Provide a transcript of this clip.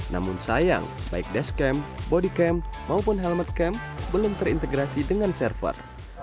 namun sayang baik dashcam bodycam maupun helmet cam belum terintegrasi dengan server